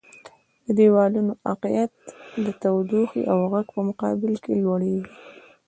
د دیوالونو عایقیت د تودوخې او غږ په مقابل کې لوړیږي.